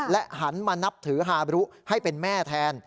หันมานับถือฮาบรุให้เป็นแม่แทน